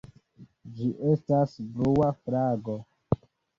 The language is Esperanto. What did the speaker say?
Ĝi estas blua flago.